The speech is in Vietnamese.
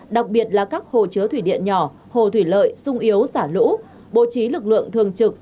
đặc biệt là các hồ chứa thủy điện nhỏ hồ thủy lợi sung yếu xả lũ bố trí lực lượng thường trực